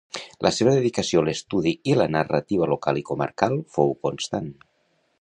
La seva dedicació a l'estudi i la narrativa local i comarcal fou constant.